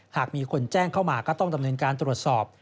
หากมีคนแจ้งเข้ามาก็ต้องดำเนินการตรวจสอบ